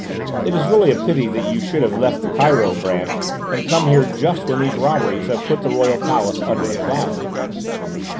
"It is really a pity that you should have left the Cairo branch and come here just when these robberies have put the Royal Palace under a cloud."